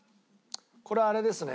これはあれですね。